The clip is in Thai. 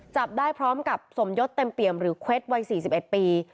จับได้พร้อมกับสมยศเต็มเปี่ยมหรือเควดวัย๔๑ปี